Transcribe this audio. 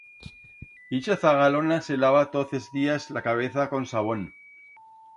Ixa zagalona se lava toz es días la cabeza con sabón.